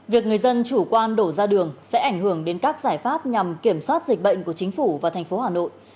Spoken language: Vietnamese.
việc người dân chủ quan đổ ra đường sẽ ảnh hưởng đến các giải pháp nhằm kiểm soát dịch bệnh của chính phủ và thành phố hà nội